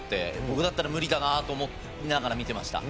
僕だったら無理だなと思いながら見てました。